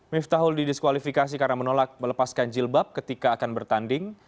miftahul didiskualifikasi karena menolak melepaskan jilbab ketika akan bertanding